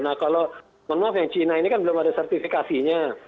nah kalau mohon maaf yang cina ini kan belum ada sertifikasinya